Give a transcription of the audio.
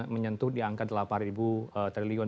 menyentuh di angka delapan triliun